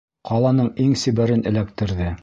Ҡаланың иң сибәрен эләктерҙе.